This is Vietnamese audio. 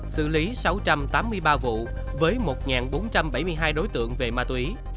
xử lý sáu trăm tám mươi ba vụ với một bốn trăm bảy mươi hai đối tượng về ma túy